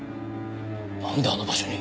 なんであの場所に？